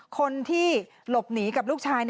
คนที่หลบหนีกับลูกชาย